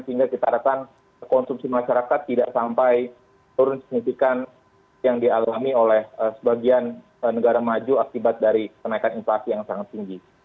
sehingga kita harapkan konsumsi masyarakat tidak sampai turun signifikan yang dialami oleh sebagian negara maju akibat dari kenaikan inflasi yang sangat tinggi